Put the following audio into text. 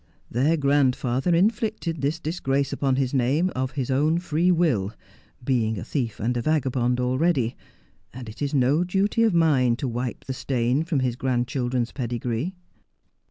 'Their grandfather inflicted thia disgrace upon his name of his own free will — being a thief and a vagabond already — and it is no duty of mine to wipe the stain from his grand children's pedigree.'